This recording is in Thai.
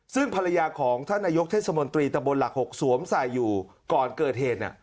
ซึ่งภรรยาของท่านนายกเทศมนตรีตะบนหลัก๖สวมใส่อยู่ก่อนเกิดเหตุ